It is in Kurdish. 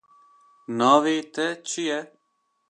navê te çi ye